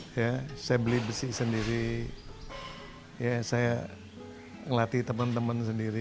saya beli besi sendiri saya melatih teman teman sendiri